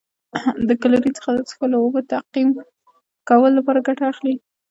له کلورین څخه د څښلو اوبو تعقیم کولو لپاره ګټه اخلي.